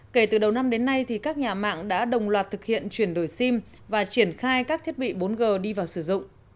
kể từ đầu năm đến nay các nhà mạng đã đồng loạt thực hiện chuyển đổi sim và triển khai các thiết bị bốn g đi vào sử dụng